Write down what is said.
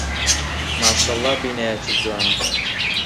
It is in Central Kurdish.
ماشەڵڵا بینایەکی جوانە.